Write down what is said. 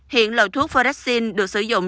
hiện lợi thuốc vodaxin được sử dụng